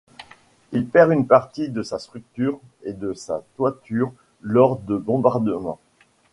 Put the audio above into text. Il perd une partie de sa structure et de sa toiture lors de bombardements.